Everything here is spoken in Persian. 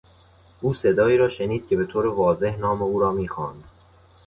او صدایی را شنید که به طور واضح نام او را میخواند.